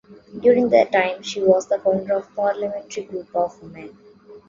During this time she was the founder of the Parliamentary Group of Women.